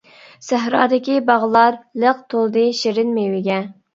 سەھرادىكى باغلار لىق، تولدى شېرىن مېۋىگە.